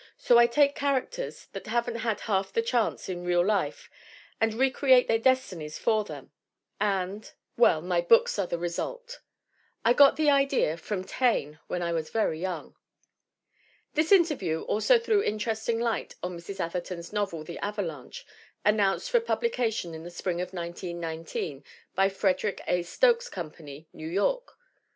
So I take characters that haven't had half a chance in real life and re create their destinies for them and well, my books are the result. I got the idea from Taine when I was very young." This interview also threw interesting light on Mrs. Atherton's novel, The Avalanche, announced for pub lication in the spring of 1919 by Frederick A. Stokes Company, New York.